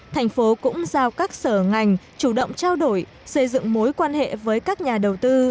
thành phố cũng giao các sở ngành chủ động trao đổi xây dựng mối quan hệ với các nhà đầu tư